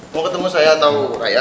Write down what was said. mau ketemu saya atau kayak